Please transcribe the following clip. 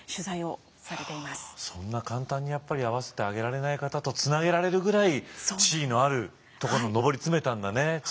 そんな簡単にやっぱり会わせてあげられない方とつなげられるぐらい地位のあるところに上り詰めたんだね。